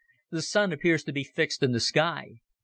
The Sun appears to be fixed in the sky.